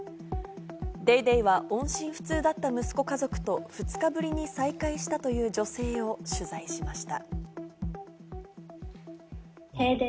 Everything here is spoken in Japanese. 『ＤａｙＤａｙ．』は音信不通だった息子家族と２日ぶりに再会したという女性を取材しました。